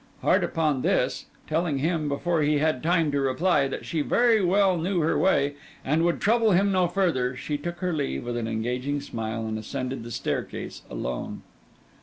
Hard upon this, telling him, before he had time to reply, that she very well knew her way, and would trouble him no further, she took her leave with an engaging smile, and ascended the staircase alone.